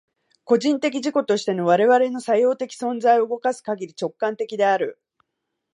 個人的自己としての我々の作用的存在を動かすかぎり、直観的である。